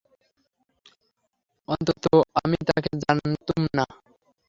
অন্তত আমি তাকে জানতুন না।